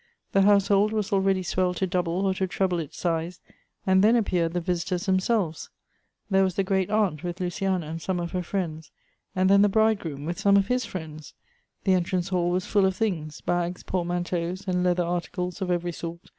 The household was already swelled to double or to treble its size, and then appeared the visitors themselves. There was the Elective Affinities. 175 great aunt, with Luciana aud some of her friends; and then the bridegroom with some of his friends. The entrance hall was full of things — bags, portmanteaus, and leather articles of every sort.